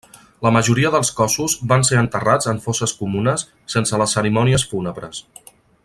La majoria dels cossos van ser enterrats en fosses comunes sense les cerimònies fúnebres.